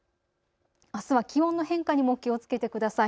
あすは気温の変化にも気をつけてください。